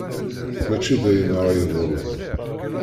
Mačči d ayen ara iḍulen.